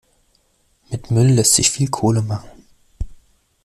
Mit Müll lässt sich viel Kohle machen.